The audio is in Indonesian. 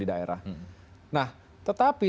di daerah nah tetapi